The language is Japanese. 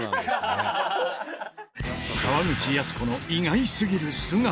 沢口靖子の意外すぎる素顔。